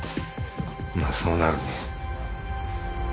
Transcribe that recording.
まあそうなるね。